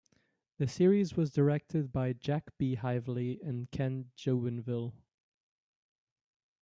The series was directed by Jack B. Hively and Ken Jubenvill.